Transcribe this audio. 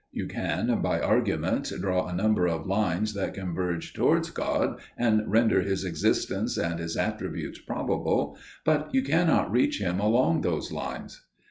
You can, by arguments, draw a number of lines that converge towards God, and render His existence and His attributes probable; but you cannot reach Him along those lines.